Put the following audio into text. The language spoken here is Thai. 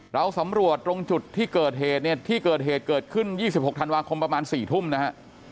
เราสำรวจตรงจุดที่เกิดเหตุเนี่ยที่เกิดเหตุเกิดขึ้น๒๖ธันวาคมประมาณ๔ทุ่มนะฮะ